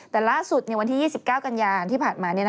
แต่ล่าสุดวันที่๒๙กันยาที่ผ่านมา